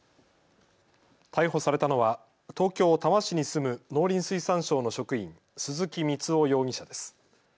逮捕されたのは東京多摩市に住む農林水産省の職員、鈴木光夫容疑者です。